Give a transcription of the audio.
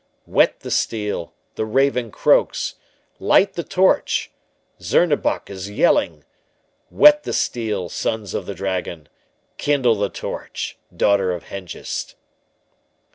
Whet the steel, the raven croaks! Light the torch, Zernebock is yelling! Whet the steel, sons of the Dragon! Kindle the torch, daughter of Hengist!